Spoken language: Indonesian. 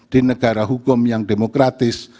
di negara hukum yang demokratis